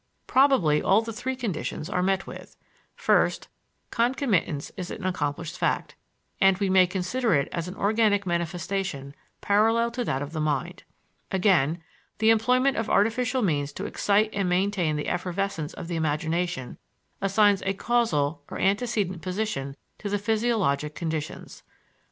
Probably all the three conditions are met with. First, concomitance is an accomplished fact, and we may consider it as an organic manifestation parallel to that of the mind. Again, the employment of artificial means to excite and maintain the effervescence of the imagination assigns a causal or antecedent position to the physiologic conditions.